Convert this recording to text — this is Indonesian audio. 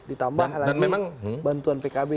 ditambah lagi bantuan pkb